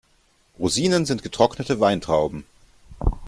Rosinen sind getrocknete Weintrauben.